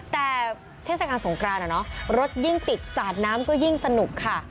แต่เทศกาลสงกรานรถยิ่งติดสาดน้ำก็ยิ่งสนุกค่ะ